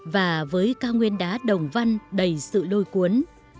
và với cao nguyên đá đồng văn đầy sự lôi cuốn